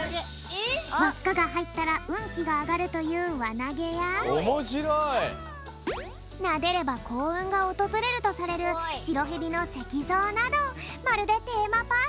わっかがはいったらうんきがあがるというわなげやなでればこううんがおとずれるとされるしろへびのせきぞうなどまるでテーマパークみたい！